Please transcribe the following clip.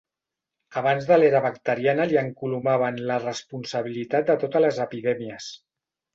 Abans de l'era bacteriana li encolomaven la responsabilitat de totes les epidèmies.